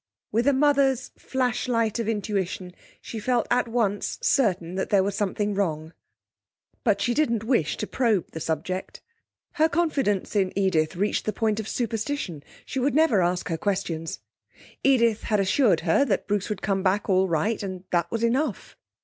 With a mother's flashlight of intuition she felt at once certain there was something wrong, but she didn't wish to probe the subject. Her confidence in Edith reached the point of superstition; she would never ask her questions. Edith had assured her that Bruce would come back all right, and that was enough.